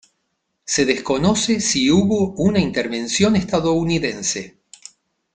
Se desconoce si hubo una intervención estadounidense.